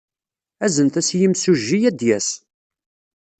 Aznet-as i yimsujji, ad d-yas.